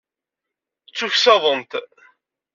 Ttuksaḍen-t.